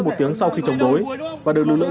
một tiếng sau khi chống đối và được lưu lượng